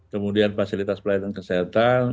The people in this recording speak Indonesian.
kemudian fasilitas pelayanan kesehatan